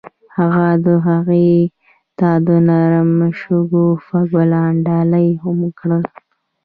هغه هغې ته د نرم شګوفه ګلان ډالۍ هم کړل.